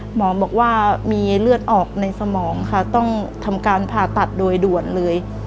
หมอบอกว่ามีเลือดออกในสมองค่ะต้องทำการผ่าตัดโดยด่วนเลย